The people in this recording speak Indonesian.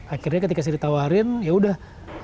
akhirnya ketika saya ditawarin ya udah